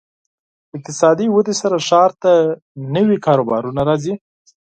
اقتصادي ودې سره ښار ته نوي کاروبارونه راځي.